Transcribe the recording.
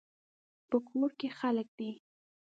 په کور کې خلک دي